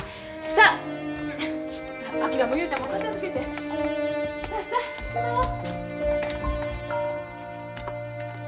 さあさあしまおう。